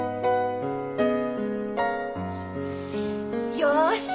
よし！